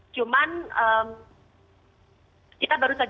cuman kita baru saja